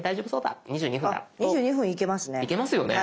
あっ２２分いけますね。